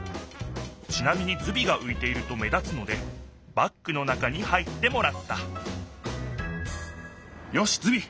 ちなみにズビがういていると目立つのでバッグの中に入ってもらったよしズビ！